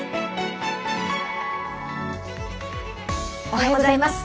おはようございます。